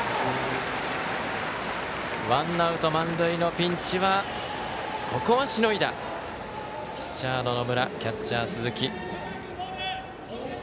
ワンアウト、満塁のピンチはここはしのいだピッチャーの野村キャッチャー、鈴木。